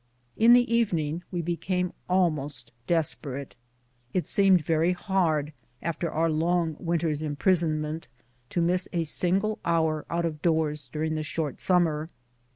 In the evening we became almost desperate. It seemed very hard, after our long winter's imprisonment, to miss a single hour out of doors during the short summer.